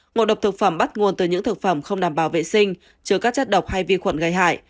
ngộ độc thực phẩm bắt nguồn từ những thực phẩm không đảm bảo vệ sinh trừ các chất độc hay vi khuẩn gây hại